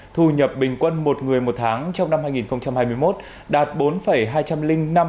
thu nhập bình quân một người một tháng trong năm hai nghìn hai mươi một đạt bốn hai trăm